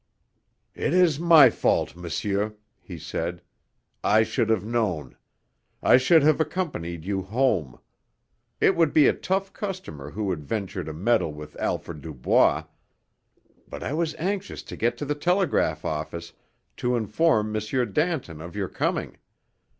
"It is my fault, monsieur," he said. "I should have known. I should have accompanied you home. It would be a tough customer who would venture to meddle with Alfred Dubois! But I was anxious to get to the telegraph office to inform M. Danton of your coming.